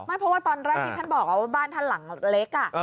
เพราะว่าตอนแรกที่ท่านบอกว่าบ้านท่านหลังเล็ก